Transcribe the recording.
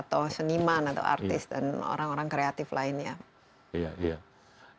adakah tentang rawatan ketika oldalon di sma dicat